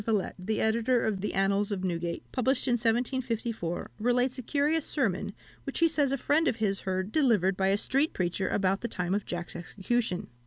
Villette, the editor of the Annals of Newgate, published in 1754, relates a curious sermon, which he says a friend of his heard delivered by a street preacher about the time of Jack's execution.